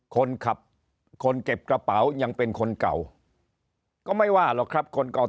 คนขับคนเก็บกระเป๋ายังเป็นคนเก่าก็ไม่ว่าหรอกครับคนเก่า